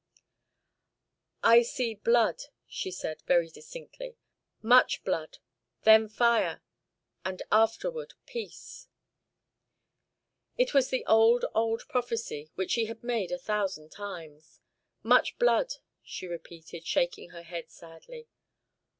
"I see blood," she said, very distinctly. "Much blood, then fire, and afterward peace." It was the old, old prophecy, which she had made a thousand times. "Much blood," she repeated, shaking her head sadly.